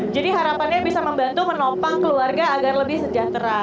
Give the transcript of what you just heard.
jadi harapannya bisa membantu menopang keluarga agar lebih sejahtera